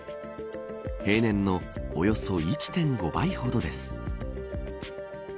平年のおよそ１．５倍ほどです。